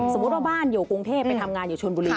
สมมุติว่าบ้านอยู่กรุงเทพไปทำงานอยู่ชนบุรี